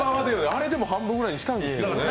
あれでも半分ぐらいにしたんですけどね。